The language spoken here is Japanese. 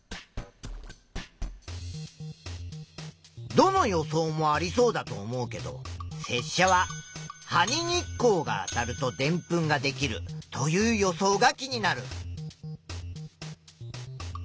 どの予想もありそうだと思うけどせっしゃは「葉に日光があたるとでんぷんができる」という予想が気になる。